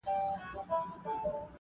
ور څرګند د رڼا ګانو حقیقت وي -